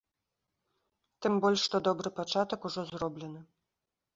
Тым больш, што добры пачатак ужо зроблены.